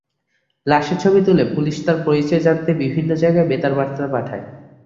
লাশের ছবি তুলে পুলিশ তাঁর পরিচয় জানতে বিভিন্ন জায়গায় বেতার বার্তা পাঠায়।